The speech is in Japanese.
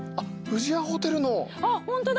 あっホントだ。